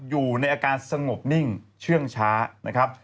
อยู่ในอาการสงบนิ่งเชื่องช้านะครับ